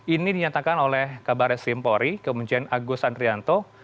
ini dinyatakan oleh kabar simpori kemunculan agus andrianto